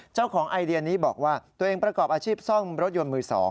เจ้าของไอเดียนี้บอกว่าตัวเองประกอบอาชีพซ่อมรถยนต์มือ๒